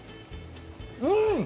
うん！